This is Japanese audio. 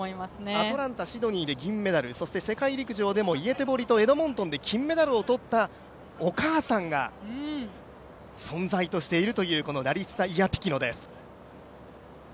アトランタ、シドニーで銀メダル、そして世界陸上でも、エドモントンなどで金メダルをとったお母さんが存在としているというラリッサ・イアピキノです。